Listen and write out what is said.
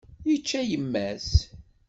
Yečča yemma-s.